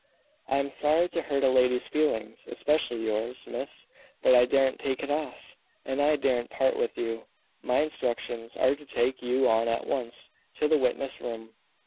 "I am sorry to hurt a lady's feelings, especially yours, miss, but I daren't take it off, and I daren't part with you. My instructions are to take you on at once to the witness room.